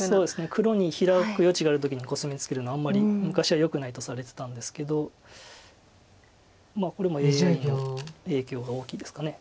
黒にヒラく余地がある時にコスミツケるのはあんまり昔はよくないとされてたんですけどこれもＡＩの影響が大きいですか。